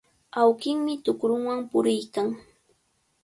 Awkinmi tukrunwan puriykan.